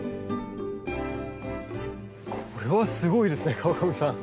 これはすごいですね川上さん。